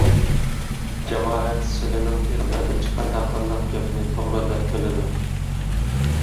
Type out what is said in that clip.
جامائەت سىلىنىڭ ئېغىزلىرىدىن چىققان ھەر قانداق گەپنى توغرا دەپ بىلىدۇ.